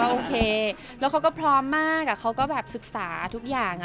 โอเคแล้วเขาก็พร้อมมากเขาก็แบบศึกษาทุกอย่าง